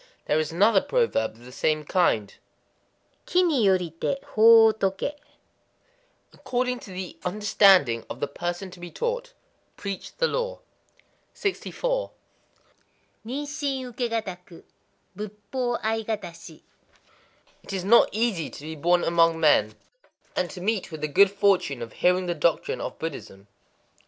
There is another proverb of the same kind,—Ki ni yorité, hō wo toké: "According to the understanding [of the person to be taught], preach the Law." 64.—Ninshin ukégataku Buppoō aigatashi. It is not easy to be born among men, and to meet with [the good fortune of hearing the doctrine of] Buddhism.